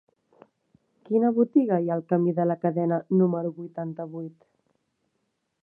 Quina botiga hi ha al camí de la Cadena número vuitanta-vuit?